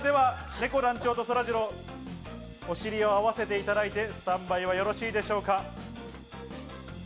ねこ団長とそらジロー、お尻を合わせていただいて、スタンバイはよろしいでしょうか？